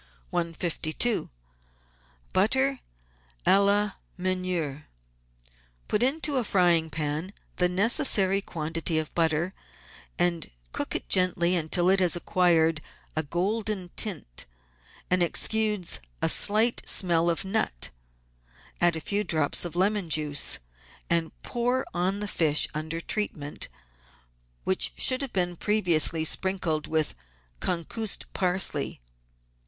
152— BUTTER A LA MEUNIERE Put into a frying pan the necessary quantity of butter, and cook it gently until it has acquired a golden tint and exudes a slight smell of nut. Add a few drops of lemon juice, and pour on the fish under treatment, which should have been previously sprinkled with concussed parsley.